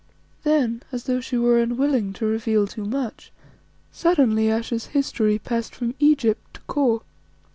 Then, as though she were unwilling to reveal too much, suddenly Ayesha's history passed from Egypt to Kôr.